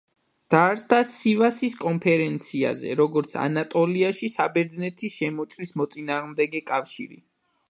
დაარსდა სივასის კონფერენციაზე, როგორც ანატოლიაში საბერძნეთის შემოჭრის მოწინააღმდეგეთა კავშირი.